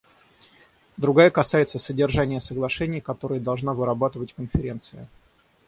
Другая касается содержания соглашений, которые должна вырабатывать Конференция.